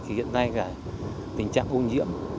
hiện nay tình trạng ô nhiễm